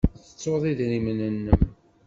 Tettud idrimen-nnem.